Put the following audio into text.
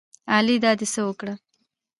الۍ دا دې څه وکړه